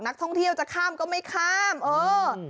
นักท่องเที่ยวจะข้ามก็ไม่ข้ามเออ